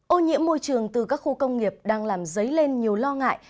ô nhiễm môi trường từ các khu công nghiệp đang làm dấy lên nhiều lo ngại